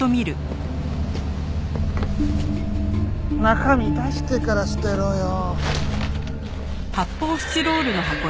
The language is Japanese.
中身出してから捨てろよ。